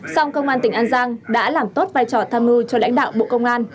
song công an tỉnh an giang đã làm tốt vai trò tham mưu cho lãnh đạo bộ công an